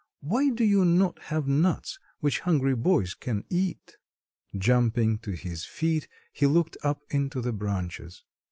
Why do you not have nuts which hungry boys can eat?" Jumping to his feet he looked up into the branches.